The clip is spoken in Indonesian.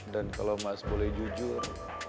dan kalau mas boleh jujur